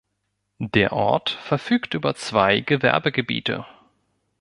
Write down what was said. Der Ort verfügt über zwei Gewerbegebiete.